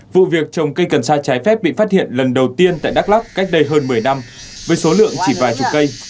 vụ việc trồng cây cần sa trái phép bị phát hiện lần đầu tiên tại đắk lắc cách đây hơn một mươi năm với số lượng chỉ vài chục cây